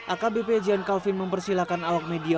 akbp gian calvin mempersilahkan awak media